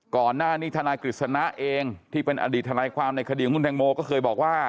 ทนายกฤษณะเองที่เป็นอดีตทนายความในคดีของคุณแตงโมก็เคยบอกว่า